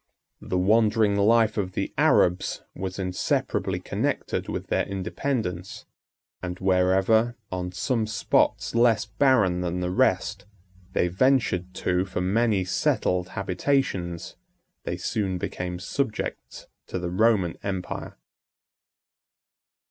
The wandering life of the Arabs was inseparably connected with their independence; and wherever, on some spots less barren than the rest, they ventured to for many settled habitations, they soon became subjects to the Roman empire.